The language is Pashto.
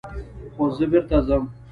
خو زه بېرته ځم.